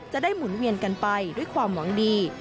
หมุนเวียนกันไปด้วยความหวังดี